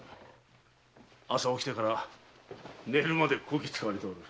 朝起きてから寝るまでこき使われておる。